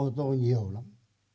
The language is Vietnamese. ô tô nhiều lắm